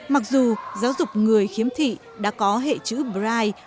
mặc dù giáo dục người khiếm thị đã có hệ chữ bri